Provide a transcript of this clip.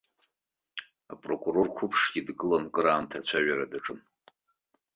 Апрокурор қәыԥшгьы дгыланы кыраамҭа ацәажәара даҿын.